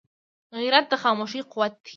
غیرت د خاموشۍ قوت دی